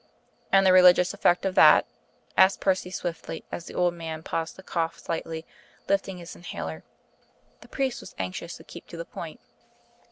"And the religious effect of that?" asked Percy swiftly, as the old man paused to cough slightly, lifting his inhaler. The priest was anxious to keep to the point.